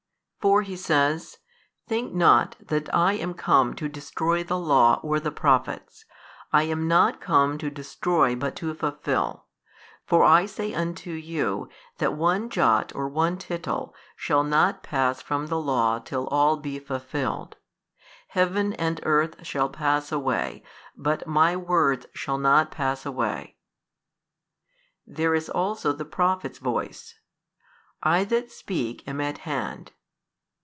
For He says, Think not that I am come to destroy the law or the prophets, I am not come to destroy but to fulfil: for I say unto you that one jot or one tittle shall not pass from the Law till all be fulfilled. Heaven and earth shall pass away but My words shall not pass away: there is also the Prophet's voice, I that speak am at hand.